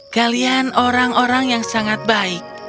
kalian orang orang yang sangat baik